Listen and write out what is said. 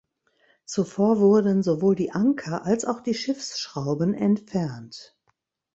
Zuvor wurden sowohl die Anker als auch die Schiffsschrauben entfernt.